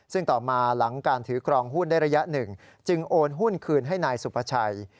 ซึ่งต่อมาหลังการถือครองหุ้นได้ระยะหนึ่งจึงโอนหุ้นคืนให้นายสุภาชัย